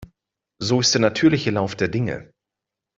So ist der natürliche Lauf der Dinge.